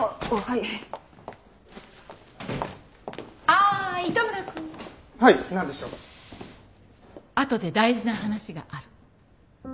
あとで大事な話がある。